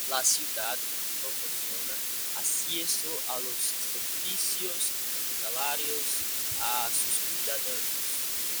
La ciudad proporciona acceso a los servicios hospitalarios a sus ciudadanos.